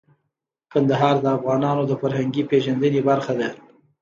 کندهار د افغانانو د فرهنګي پیژندنې برخه ده.